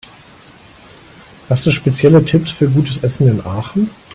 Hast du spezielle Tipps für gutes Essen in Aachen?